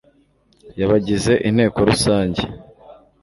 y abagize Inteko Rusange